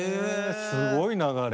すごい流れ。